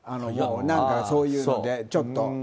そういうので、ちょっと。